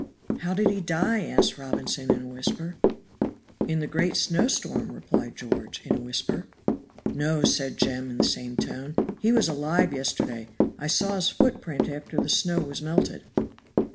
"How did he die?" asked Robinson, in a whisper. "In the great snow storm," replied George, in a whisper. "No," said Jem, in the same tone, "he was alive yesterday. I saw his footprint after the snow was melted."